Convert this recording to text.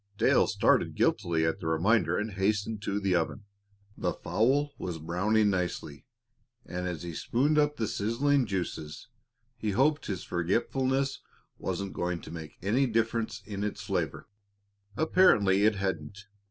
Dale started guiltily at the reminder and hastened to the oven. The fowl was browning nicely, and as he spooned up the sizzling juices, he hoped his forgetfulness wasn't going to make any difference in its flavor. Apparently it hadn't.